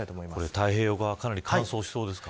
太平洋側、かなり乾燥しそうですか。